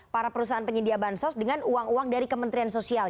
para perusahaan penyedia bansos dengan uang uang dari kementerian sosial